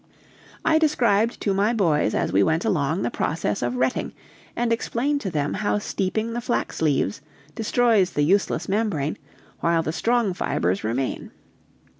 I described to my boys as we went along the process of retting, and explained to them how steeping the flax leaves destroys the useless membrane, while the strong fibers remain.